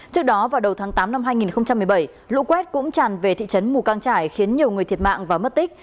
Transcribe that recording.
trước đó vào đầu tháng tám năm hai nghìn một mươi bảy lũ quét cũng tràn về thị trấn mù căng trải khiến nhiều người thiệt mạng và mất tích